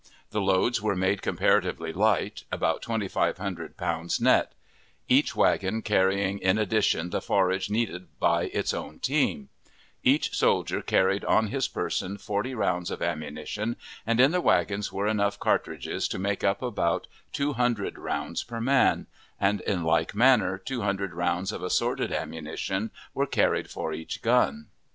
The loads were made comparatively light, about twenty five hundred pounds net; each wagon carrying in addition the forage needed by its own team: Each soldier carried on his person forty rounds of ammunition, and in the wagons were enough cartridges to make up about two hundred rounds per man, and in like manner two hundred rounds of assorted ammunition were carried for each gun.